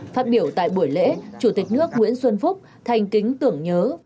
phát biểu tại buổi lễ chủ tịch nước nguyễn xuân phúc thành kính tưởng nhớ